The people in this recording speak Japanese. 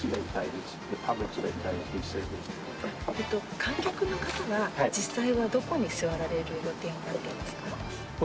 観客の方は、実際はどこに座られる予定になっていますか？